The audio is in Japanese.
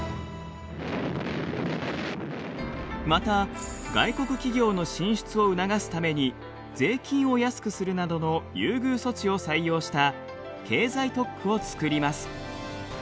また外国企業の進出を促すために税金を安くするなどの優遇措置を採用した経済特区を作ります。